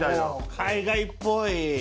海外っぽい。